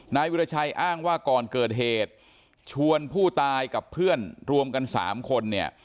นายวิราชัยอ้างว่าก่อนเกิดเหตุชวนผู้ตายกับเพื่อนรวมกัน๓คนเนี่ย